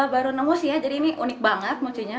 baru nemu sih ya jadi ini unik banget mucunya